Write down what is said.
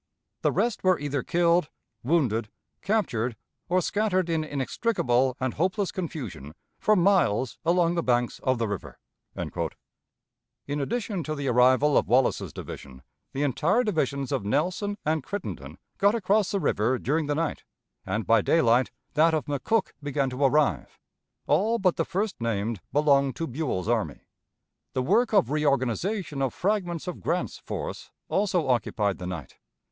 The rest were either killed, wounded, captured, or scattered in inextricable and hopeless confusion for miles along the banks of the river." In addition to the arrival of Wallace's division, the entire divisions of Nelson and Crittenden got across the river during the night, and by daylight that of McCook began to arrive; all but the first named belonged to Buell's army. The work of reorganization of fragments of Grant's force also occupied the night.